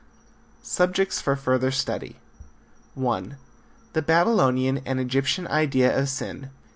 Subjects for Further Study. (1) The Babylonian and Egyptian Idea of Sin.